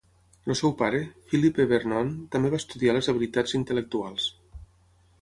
El seu pare, Philip E. Vernon, també va estudiar les habilitats intel·lectuals.